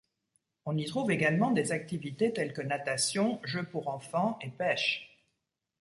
On y trouve également des activités tels que natation, jeux pour enfants et pêche.